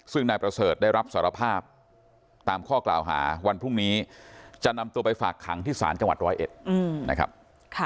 ซึ่งนายประเสริฐได้รับสารภาพตามข้อกล่าวหาวันพรุ่งนี้จะนำตัวไปฝากขังที่ศาลจังหวัดร้อยเอ็ดนะครับ